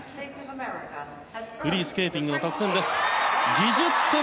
フリースケーティングの得点。